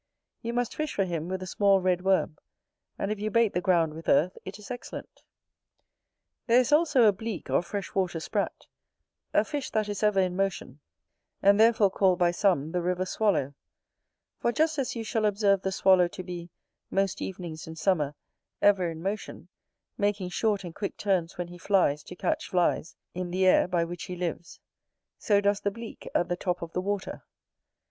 You must fish for him with a small red worm; and if you bait the ground with earth, it is excellent. There is also a BLEAK or fresh water Sprat; a fish that is ever in motion, and therefore called by some the river swallow; for just as you shall observe the swallow to be, most evenings in summer, ever in motion, making short and quick turns when he flies to catch flies, in the air, by which he lives; so does the Bleak at the top of the water.